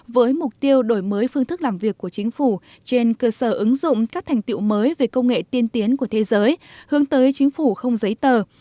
với mục tiêu đổi mới phương thức làm việc của chính phủ trên cơ sở ứng dụng các thành tiệu mới về công nghệ tiên tiến của thế giới hướng tới chính phủ không giấy tờ